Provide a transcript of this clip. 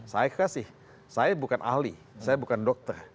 saya kasih saya bukan ahli saya bukan dokter